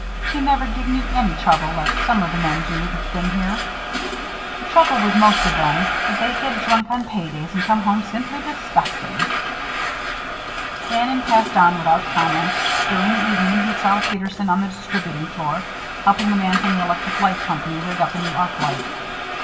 He never give me any trouble like some of the men do that's been here. The trouble with most of them is that they get drunk on pay days and come home simply disgusting." Bannon passed on without comment. During the evening he saw Peterson on the distributing floor, helping the man from the electric light company rig up a new arc light.